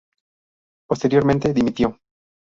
Posteriormente dimitió.